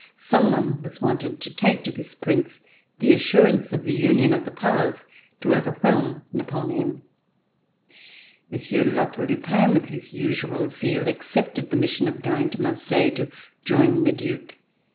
Some one was wanted to take to this Prince the assurance of the union of the Powers to overwhelm Napoleon. Monsieur de La Tour du Pin, with his usual zeal, accepted the mission of going to Marseille to join the Due.